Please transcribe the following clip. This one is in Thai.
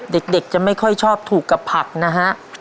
เด็กจะไม่ค่อยชอบถูกกับผักนะฮะ